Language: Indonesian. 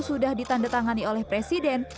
sudah ditandatangani oleh presiden